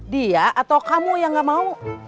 dia atau kamu yang gak mau